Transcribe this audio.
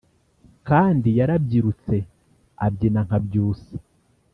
Kandi yarabyirutse abyina nka Byusa